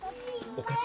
お菓子？